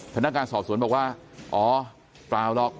พนักงานสอบสวนบอกว่าอ๋อเปล่าหรอก